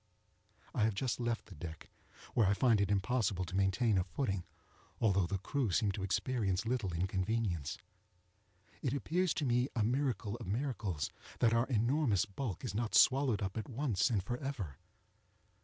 I have just left the deck, where I find it impossible to maintain a footing, although the crew seem to experience little inconvenience. It appears to me a miracle of miracles that our enormous bulk is not swallowed up at once and forever.